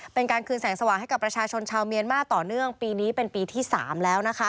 เป็นการคืนแสงสว่างให้กับประชาชนชาวเมียนมาต่อเนื่องปีนี้เป็นปีที่๓แล้วนะคะ